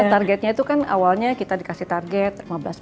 targetnya itu kan awalnya kita dikasih target lima belas empat puluh